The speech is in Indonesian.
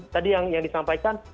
tadi yang disampaikan